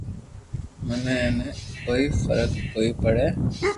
مني اي تي ڪوئي فراڪ ڪوئي پڙي